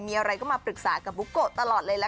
มีอะไรก็มาปรึกษากับบุโกะตลอดเลยล่ะค่ะ